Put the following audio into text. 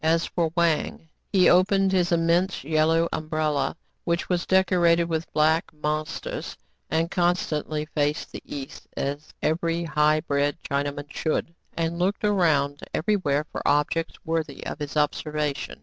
As for Wang, he opened his immense yellow umbrella, which was decorated with black mon sters, and constantly faced the east as every high bred Chinaman should, and looked around every where for objects worthy of his observation.